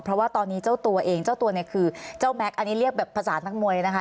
เพราะว่าตอนนี้เจ้าตัวเองเจ้าตัวเนี่ยคือเจ้าแม็กซ์อันนี้เรียกแบบภาษานักมวยนะคะ